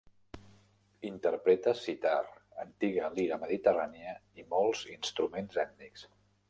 Interpreta sitar, antiga lira mediterrània i molts instruments ètnics.